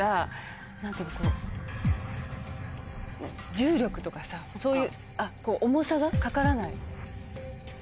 重力とかさそういう重さがかからない。